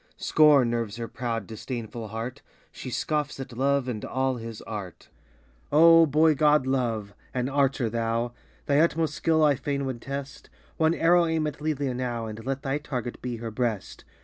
Scorn nerves her proud, disdainful heart ! She scoffs at Love and all his art ! Oh, boy god, Love ! An archer thou ! Thy utmost skill I fain would test ; One arrow aim at Lelia now, And let thy target be her breast